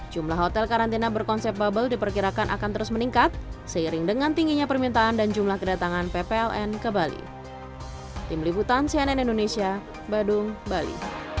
jumlah hotel karantina berkonsep bubble diperkirakan akan terus meningkat seiring dengan tingginya permintaan dan jumlah kedatangan ppln ke bali